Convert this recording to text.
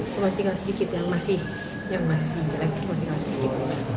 cuma tinggal sedikit yang masih jelek cuma tinggal sedikit rusak